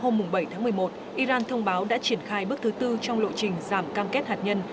ngày hai mươi tháng một mươi một iran thông báo đã triển khai bước thứ tư trong lộ trình giảm cam kết hạt nhân